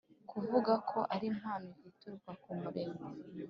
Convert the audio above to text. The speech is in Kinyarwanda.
kuvuga ko ari impano ituruka ku muremyi.